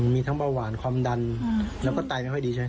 มีทั้งเบาหวานความดันแล้วก็ไตไม่ค่อยดีใช่ไหม